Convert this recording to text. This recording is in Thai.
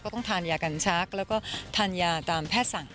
ต้องทานยากันชักแล้วก็ทานยาตามแพทย์สั่ง